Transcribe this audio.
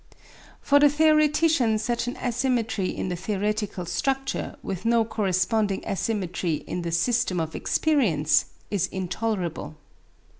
For the theoretician such an asymmetry in the theoretical structure, with no corresponding asymmetry in the system of experience, is intolerable.